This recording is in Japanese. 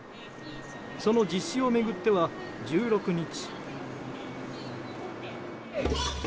その実施を巡っては１６日。